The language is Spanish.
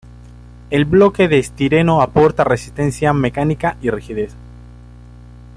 El bloque de estireno aporta resistencia mecánica y rigidez.